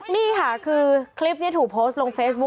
นี่ค่ะคือคลิปนี้ถูกโพสต์ลงเฟซบุ๊